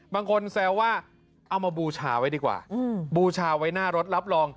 บางคนแซวว่าเอามาบูชาไว้ดีกว่าบูชาไว้หน้ารถรับรอง